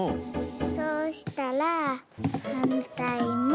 そうしたらはんたいも。